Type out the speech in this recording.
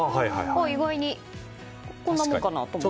意外に、こんなもんかなと思って。